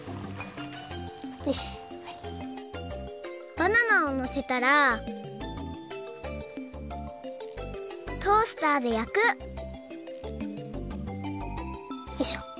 バナナをのせたらトースターでやくよいしょ。